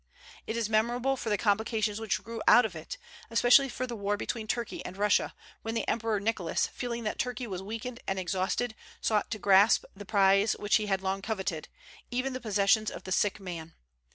It is memorable for the complications which grew out of it, especially for the war between Turkey and Russia, when the Emperor Nicholas, feeling that Turkey was weakened and exhausted, sought to grasp the prize which he had long coveted, even the possessions of the "sick man."